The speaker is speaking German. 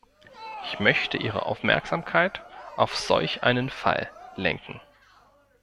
Ich möchte Ihre Aufmerksamkeit auf solch einen Fall lenken.